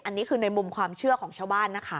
อันนี้คือในมุมความเชื่อของชาวบ้านนะคะ